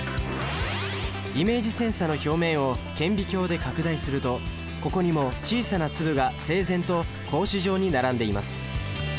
イメージセンサの表面を顕微鏡で拡大するとここにも小さな粒が整然と格子状に並んでいます。